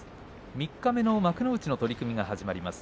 三日目の幕内の取組が始まります